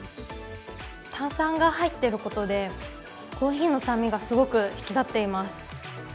炭酸が入ってることで、コーヒーの酸味がすごく引き立っています。